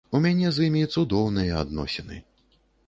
У мяне з імі цудоўныя адносіны.